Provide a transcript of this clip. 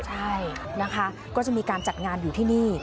ใช่นะคะก็จะมีการจัดงานอยู่ที่นี่